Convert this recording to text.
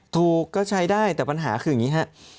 ถูกก็ใช้ได้แต่ปัญหาคืออย่างนี้ครับ